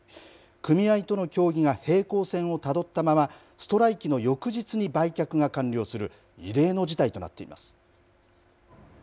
組合との協議が平行線をたどったままストライキの翌日に売却が完了する異例の事態となっています。